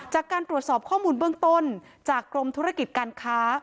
จากการตรวจสอบข้อมูลเบื้องต้นจากกรมธุรกิจการค้า